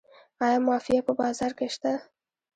آیا مافیا په بازار کې شته؟